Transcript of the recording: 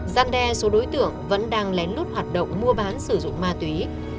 gian đe số đối tượng vẫn đang lén lút hoạt động mua bán sử dụng ma túy